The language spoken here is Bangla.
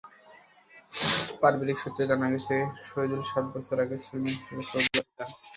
পারিবারিক সূত্রে জানা গেছে, শহিদুল সাত বছর আগে শ্রমিক হিসেবে সৌদি আরব যান।